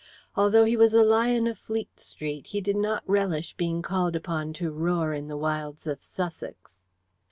Although he was a lion of Fleet Street, he did not relish being called upon to roar in the wilds of Sussex.